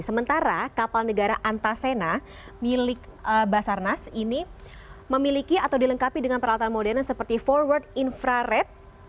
sementara kapal negara antasena milik basarnas ini memiliki atau dilengkapi dengan peralatan modern seperti forward infrared